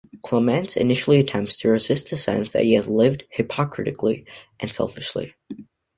Clamence initially attempts to resist the sense that he has lived hypocritically and selfishly.